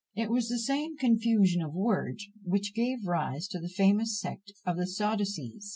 It was the same "confusion of words" which gave rise to the famous sect of the Sadducees.